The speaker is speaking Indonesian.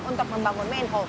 untuk membangun manhole